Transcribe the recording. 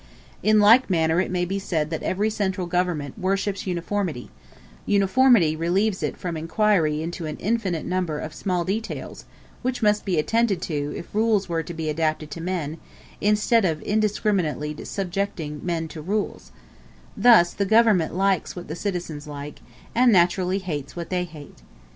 In like manner it may be said that every central government worships uniformity: uniformity relieves it from inquiry into an infinite number of small details which must be attended to if rules were to be adapted to men, instead of indiscriminately subjecting men to rules: thus the government likes what the citizens like, and naturally hates what they hate.